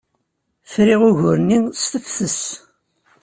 Friɣ ugur-nni s tefses.